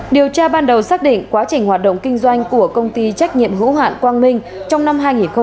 điều tra ban đầu xác định quá trình hoạt động kinh doanh của công ty trách nhiệm hữu hạn quang minh trong năm hai nghìn một mươi bảy